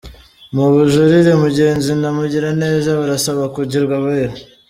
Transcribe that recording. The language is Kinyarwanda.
Mu bujurire, Mugenzi na Mugiraneza barasaba kugirwa abere